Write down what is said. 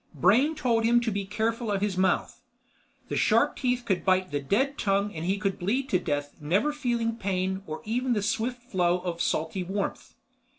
Brain told him to be careful of his mouth, the sharp teeth could bite the dead tongue and he could bleed to death never feeling pain nor even the swift flow of salty warmth.